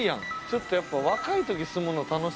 ちょっとやっぱ若い時住むの楽しそうやな。